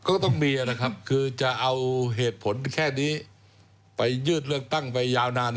ก็ต้องมีนะครับคือจะเอาเหตุผลแค่นี้ไปยืดเลือกตั้งไปยาวนาน